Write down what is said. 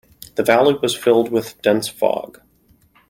The valley was filled with dense fog.